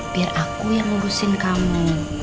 biar aku yang ngurusin kamu